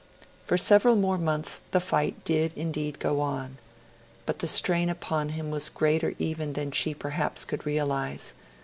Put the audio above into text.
For several more months the fight did indeed go on. But the strain upon him was greater even than she perhaps could realise.